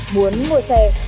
muốn mua xe